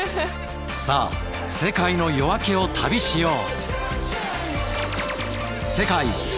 さあ世界の夜明けを旅しよう！